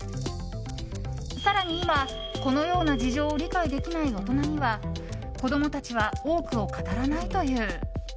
更に今、このような事情を理解できない大人には子供たちは多くを語らないという。